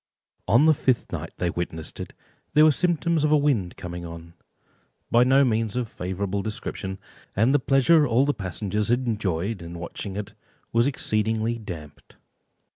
On the fifth night that they witnessed it, there were symptoms of a wind coming on, by no means of a favourable description, and the pleasure all the passengers had enjoyed in watching it, was exceedingly damped.